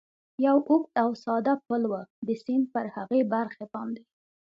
یو اوږد او ساده پل و، د سیند پر هغې برخې باندې.